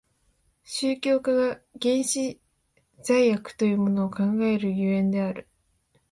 宗教家が原始罪悪というものを考える所以である。